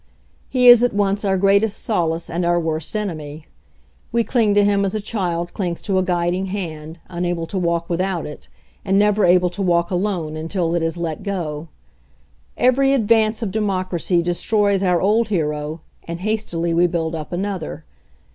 He is at once our greatest solace and our worst enemy. We cling to him as a child clings to a guiding hand, unable to walk without it, and never able to walk alone until it is let go. Every ad vance of democracy destroys our old hero, and hastily we build up another.